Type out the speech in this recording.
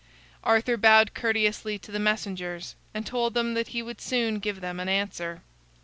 Arthur bowed courteously to the messengers, and told them that he would soon give them an answer.